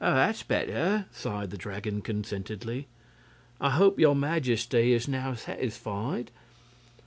"That's better," sighed the Dragon, contentedly. "I hope your Majesty is now satisfied."